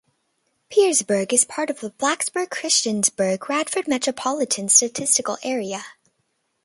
Pearisburg is part of the Blacksburg-Christiansburg-Radford Metropolitan Statistical Area.